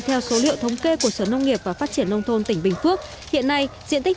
theo số liệu thống kê của sở nông nghiệp và phát triển nông thôn tỉnh bình phước hiện nay diện tích